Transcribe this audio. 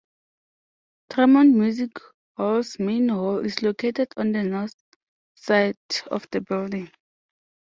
Tremont Music Hall's Main Hall is located on the North Side of the building.